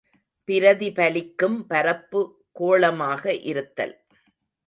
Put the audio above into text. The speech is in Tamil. பிரதிபலிக்கும் பரப்பு கோளமாக இருத்தல்.